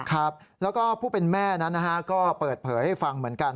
ครับแล้วก็ผู้เป็นแม่นั้นนะฮะก็เปิดเผยให้ฟังเหมือนกัน